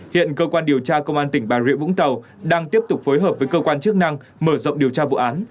hiện cơ quan điều tra công an tỉnh bà rịa vũng tàu đang tiếp tục phối hợp với cơ quan chức năng mở rộng điều tra vụ án